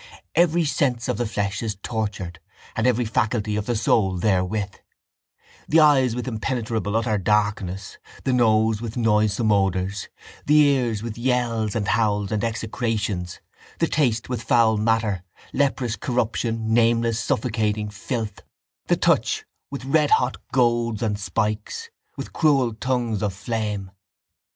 Every sense of the flesh is tortured and every faculty of the soul therewith: the eyes with impenetrable utter darkness, the nose with noisome odours, the ears with yells and howls and execrations, the taste with foul matter, leprous corruption, nameless suffocating filth, the touch with redhot goads and spikes, with cruel tongues of flame.